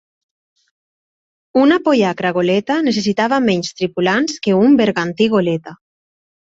Una pollacra-goleta necessitava menys tripulants que un bergantí-goleta.